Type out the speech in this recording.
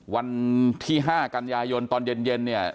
วันที่๕กันยายนตอนเย็นเนี่ย